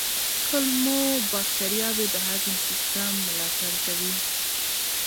کولمو بکتریاوې د هضم سیستم ملاتړ کوي.